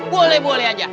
boleh boleh aja